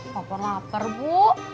pokoknya lapar bu